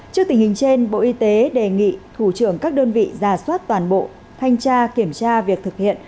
trước tình hình trên bộ y tế đề nghị thủ trưởng các đơn vị giả soát toàn bộ thanh tra kiểm tra việc thực hiện